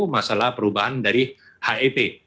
masalah perubahan dari hep